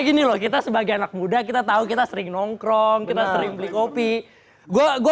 gini loh kita sebagai anak muda kita tahu kita sering nongkrong kita sering beli kopi gua gua